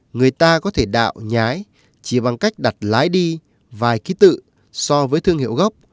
người ta có thể đạo nhái chỉ bằng cách đặt lái đi vài ký tự so với thương hiệu gốc